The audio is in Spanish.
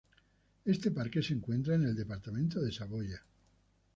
Este parque se encuentra en el departamento de Saboya.